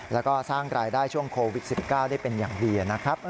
แล้วก็สร้างรายได้ช่วงโควิด๑๙ได้เป็นอย่างดีนะครับ